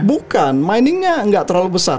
bukan miningnya nggak terlalu besar